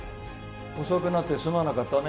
遅くなってすまなかったね